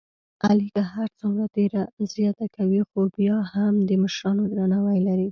علی که هرڅومره تېره زیاته کوي، خوبیا هم د مشرانو درناوی لري.